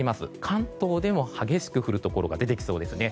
関東でも激しく降るところが出てきそうですね。